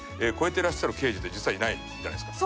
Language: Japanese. てらっしゃる刑事って実はいないじゃないですか。